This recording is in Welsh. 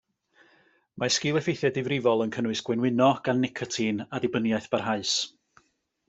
Mae sgil-effeithiau difrifol yn cynnwys gwenwyno gan nicotin a dibyniaeth barhaus.